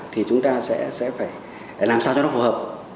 thì chúng ta sẽ phải làm sao cho nó phù hợp